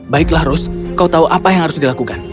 baiklah ros kau tahu apa yang harus dilakukan